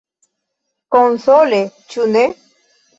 Konsole, ĉu ne?